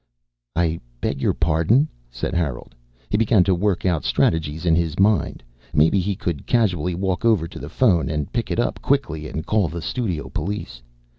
"I beg your pardon?" said Harold. He began to work out strategies in his mind. Maybe he could casually walk over to the phone and pick it up quickly and call the studio police.